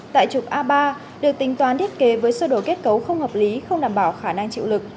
tại trục a ba được tính toán thiết kế với sơ đổi kết cấu không hợp lý không đảm bảo khả năng chịu lực